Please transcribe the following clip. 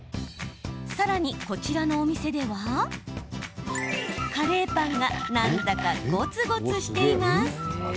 さらに、こちらのお店ではカレーパンがなんだか、ごつごつしています。